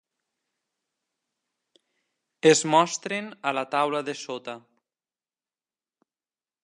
Es mostren a la taula de sota.